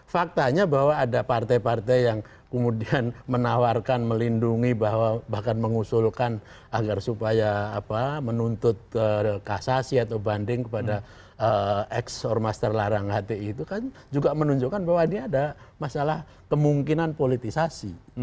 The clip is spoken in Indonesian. faktanya bahwa ada partai partai yang kemudian menawarkan melindungi bahwa bahkan mengusulkan agar supaya menuntut rekasasi atau banding kepada ex ormas terlarang hti itu kan juga menunjukkan bahwa dia ada masalah kemungkinan politisasi